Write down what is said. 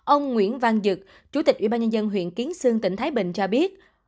ông nguyễn văn dực chủ tịch ủy ban nhân dân huyện kiến sương tỉnh thái bình cho biết